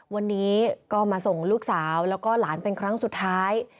วันนี้ก็มาส่งลูกสาวแล้วก็หลานเป็นครั้งสุดท้าย